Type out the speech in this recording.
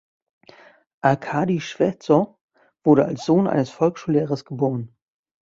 Arkadi Schwezow wurde als Sohn eines Volksschullehrers geboren.